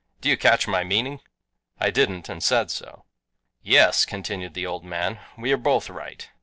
Do you catch my meaning?" I didn't and said so. "Yes," continued the old man, "we are both right.